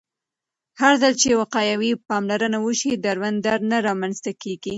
هرځل چې وقایوي پاملرنه وشي، دروند درد نه رامنځته کېږي.